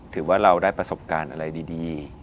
ถือว่าเราได้ประสบการณ์อะไรดี